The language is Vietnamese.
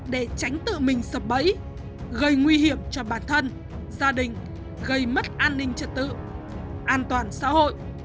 để tránh tự mình sập bẫy gây nguy hiểm cho bản thân gia đình gây mất an ninh trật tự an toàn xã hội